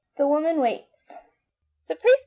THE WOMAN WAITS. " Sapbisti